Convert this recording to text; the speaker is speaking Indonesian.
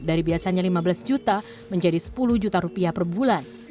dari biasanya lima belas juta menjadi sepuluh juta rupiah per bulan